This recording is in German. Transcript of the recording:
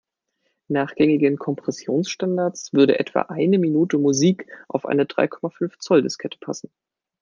Nach gängigen Kompressionsstandards würde etwa eine Minute Musik auf eine drei Komma fünf Zoll-Diskette passen.